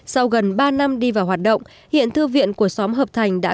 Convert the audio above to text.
sau gần ba năm đi vào hoạt động hiện thư viện của xóm hợp thành đã